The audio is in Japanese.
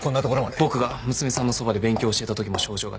僕が娘さんのそばで勉強を教えたときも症状が出た。